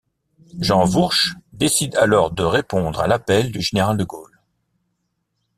Jean Vourc'h décide alors de répondre à l'appel du général de Gaulle.